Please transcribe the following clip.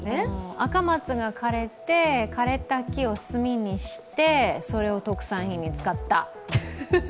アカマツが枯れて、枯れた木を炭にして、それを特産品に使った。